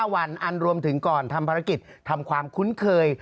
๕วันอันรวมถึงก่อนทำภารกิจทำความคุ้นเคย